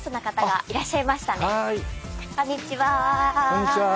こんにちは。